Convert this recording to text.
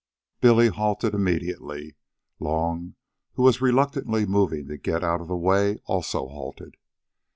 Billy halted immediately. Long, who was reluctantly moving to get out of the way, also halted.